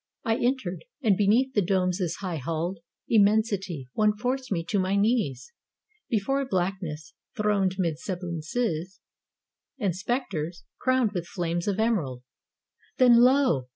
I entered. And, beneath the dome's high halled Immensity, one forced me to my knees Before a blackness throned 'mid semblances And spectres crowned with flames of emerald. Then, lo!